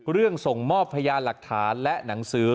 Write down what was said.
ส่งมอบพยานหลักฐานและหนังสือ